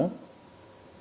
jadi kita bisa mencari